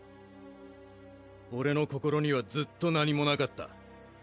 俺の心にはずっと何も無かった。